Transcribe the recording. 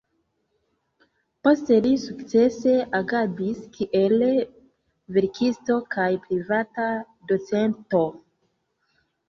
Poste li sukcese agadis kiel verkisto kaj privata docento.